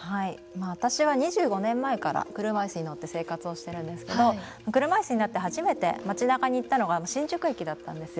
私は２５年前から車いすに乗って生活をしてるんですけど車いすになって初めて街なかに行ったのが新宿駅だったんですよ。